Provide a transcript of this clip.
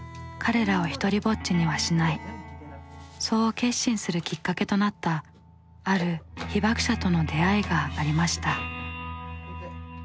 そう決心するきっかけとなったある被爆者との出会いがありました。